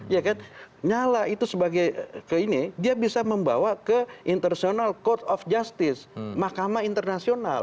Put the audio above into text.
ya kan nyala itu sebagai ke ini dia bisa membawa ke international court of justice mahkamah internasional